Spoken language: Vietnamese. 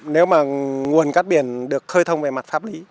nếu mà nguồn cắt biển được khơi thông về mặt pháp lý